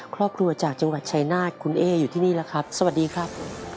ครอบครัวจากจังหวัดชายนาฏคุณเอ๊อยู่ที่นี่แล้วครับสวัสดีครับ